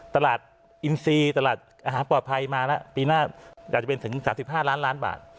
ตลาดอินซีตลาดอาหารปลอดภัยมาแล้วปีหน้าอยากจะเป็นถึง๓๕ล้านล้านบาท